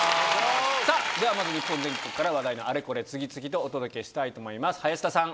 ではまず日本全国から話題のあれこれ次々とお届けしたいと思います林田さん